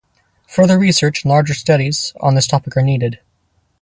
Further research and larger studies on this topic are needed.